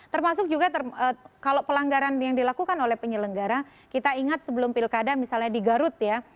termasuk juga kalau pelanggaran yang dilakukan oleh penyelenggara kita ingat sebelum pilkada misalnya di garut ya